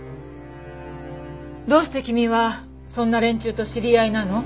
どうして君はそんな連中と知り合いなの？